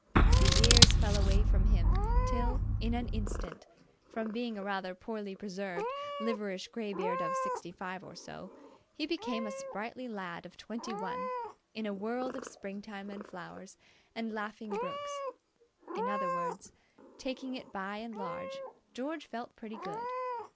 The years fell away from him till, in an instant, from being a rather poorly preserved, liverish greybeard of sixty five or so, he became a sprightly lad of twenty one in a world of springtime and flowers and laughing brooks. In other words, taking it by and large, George felt pretty good.